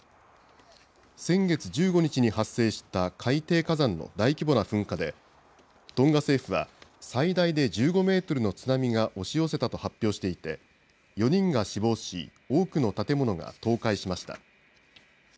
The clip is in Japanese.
先月１５日に発生した海底火山の大規模な噴火で、トンガ政府は、最大で１５メートルの津波が押し寄せたと発表していて、４人が死亡し、多くの建物が倒壊しました。